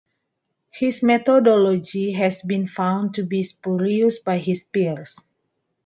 His methodology has been found to be spurious by his peers.